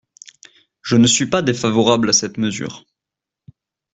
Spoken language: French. Je ne suis pas défavorable à cette mesure.